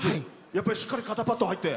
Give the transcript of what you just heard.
やっぱり、しっかり肩パット入って。